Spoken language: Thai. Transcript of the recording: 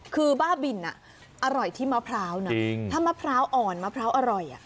คือบ้าบินอร่อยที่มะพร้าวนะถ้ามะพร้าวอ่อนมะพร้าวอร่อย